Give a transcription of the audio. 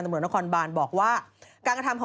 ไม่รู้เลยนั่งคนละโต๊ะมีบิลคนละไป